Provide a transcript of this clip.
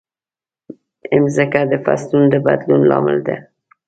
مځکه د فصلونو د بدلون لامل ده.